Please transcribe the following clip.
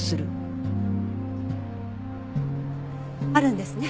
あるんですね？